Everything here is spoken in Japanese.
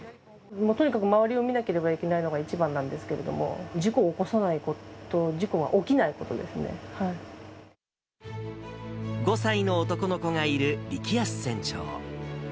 とにかく周りを見なければいけないのが一番なんですけれども、事故を起こさないこと、事故が起５歳の男の子がいる力安船長。